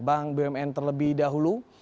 bank bmn terlebih dahulu